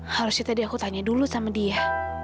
harusnya tadi aku tanya dulu sama dia